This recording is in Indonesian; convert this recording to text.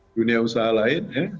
dunia usaha lain ya